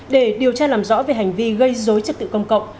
để điều tra làm rõ về hành vi gây dối trật tự công cộng